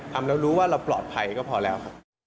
ทำแล้วรู้ว่าเราปลอดภัยก็พอแล้วครับ